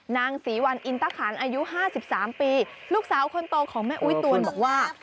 นางศรีวันอินตะขันอายุ๕๓ปีลูกสาวคนโตของแม่อุ๊ยตวนบอกว่า